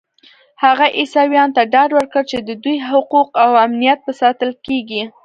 هغه عیسویانو ته ډاډ ورکړ چې د دوی حقوق او امنیت به ساتل کېږي.